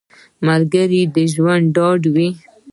ملګری د ژوند ډاډ وي